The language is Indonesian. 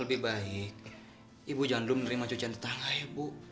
lebih baik ibu jangan dulu menerima cucian tetangga ya bu